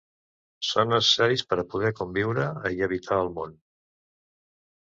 Són necessaris per a poder a conviure i habitar el món.